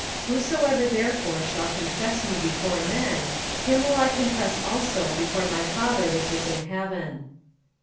"Whosoever therefore shall confess Me before men, him will I confess also before My Father which is in heaven."